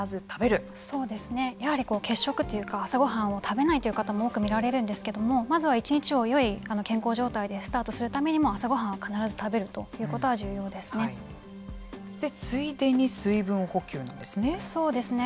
やはり欠食というか朝ごはんを食べないという方もよく見られるんですけれどもまずは１日をよい健康状態でスタートするためには朝ごはんは必ず食べるということはついでに水分補給そうですね。